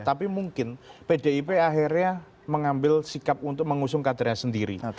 tapi mungkin pdip akhirnya mengambil sikap untuk mengusung kadernya sendiri